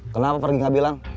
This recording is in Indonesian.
kenapa pergi enggak bilang